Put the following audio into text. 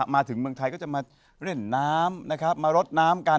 มาถึงเมืองไทยก็จะมาเล่นน้ำนะครับมารดน้ำกัน